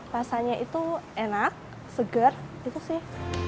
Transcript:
rasanya itu enak segar gitu sih